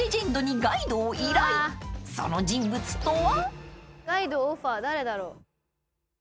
［その人物とは］